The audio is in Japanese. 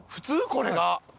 これが。